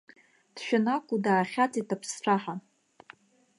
Дшәаны акәу, даахьаҵит аԥсцәаҳа.